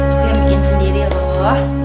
aku yang bikin sendiri loh